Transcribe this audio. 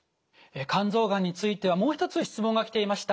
肝臓がんについてはもう一つ質問が来ていました。